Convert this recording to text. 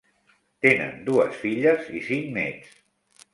Tenen dues filles i cinc nets.